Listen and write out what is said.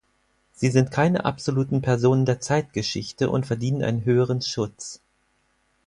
Sie sind keine absoluten Personen der Zeitgeschichte und verdienen einen höheren Schutz.